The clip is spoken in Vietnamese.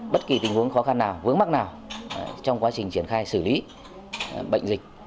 bất kỳ tình huống khó khăn nào vướng mắc nào trong quá trình triển khai xử lý bệnh dịch